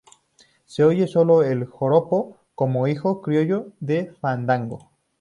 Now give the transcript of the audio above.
Se oye sólo el joropo como hijo criollo del fandango.